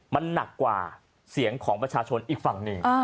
มันหนักกว่าเสียงของประชาชนอีกฝั่งหนึ่ง